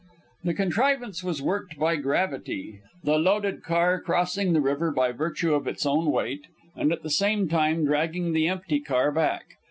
The contrivance was worked by gravity, the loaded car crossing the river by virtue of its own weight, and at the same time dragging the empty car back.